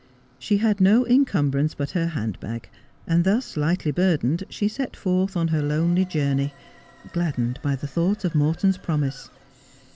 She had no incumbrance but her hand bag ; and thus lightly burdened she set forth on her lonely journey, gladdened by the thought of Morton's promise.